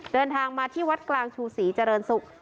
เดินทางมาที่วัดกลางชูศรีเจริญศุกร์